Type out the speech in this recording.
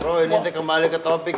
bro ini teh kembali ke topik